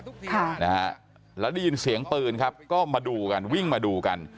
ไว้มาก็เหนื่อยแล้วได้ยินเสียงปืนครับก็มาดูกันวิ่งมาดูกัน